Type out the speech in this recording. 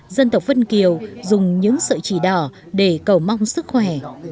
dân tộc vân kiều dùng những sợi chỉ đỏ để cầu mong sức khỏe